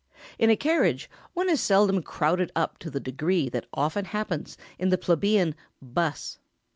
In a carriage one is seldom crowded up to the degree that often occurs in the plebeian "'bus."